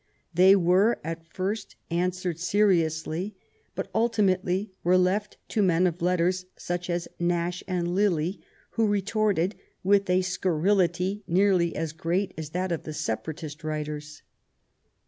They were at first answered seriously, but ultimately were left to men of letters such as Nash and Lilly, who retorted with a scurrility nearly as great as that of the Separatist writers.